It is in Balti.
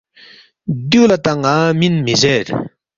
دیُو لہ تا ن٘ا مین مِہ زیر